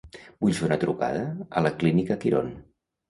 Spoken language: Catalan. Vull fer una trucada a la clínica Quirón.